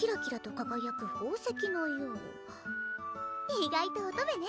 意外と乙女ね